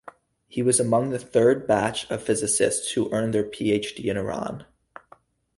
He was among the third batch of Physicists who earned their Ph.D. in Iran.